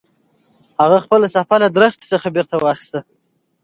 هغه خپله صافه له ونې څخه بېرته واخیسته.